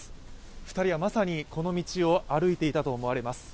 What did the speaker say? ２人はまさにこの道を歩いていたとみられます。